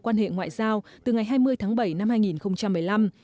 quan hệ ngoại giao từ ngày hai mươi tháng bảy năm hai nghìn một mươi năm